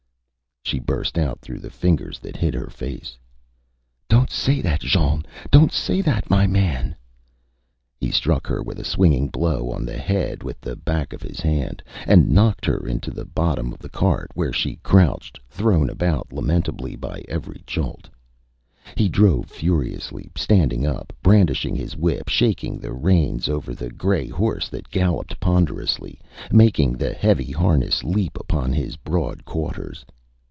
.. .Â She burst out through the fingers that hid her face ÂDonÂt say that, Jean; donÂt say that, my man!Â He struck her a swinging blow on the head with the back of his hand and knocked her into the bottom of the cart, where she crouched, thrown about lamentably by every jolt. He drove furiously, standing up, brandishing his whip, shaking the reins over the gray horse that galloped ponderously, making the heavy harness leap upon his broad quarters.